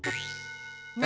何？